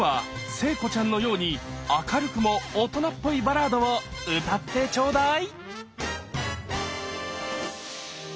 聖子ちゃんのように明るくも大人っぽいバラードを歌ってちょうだい！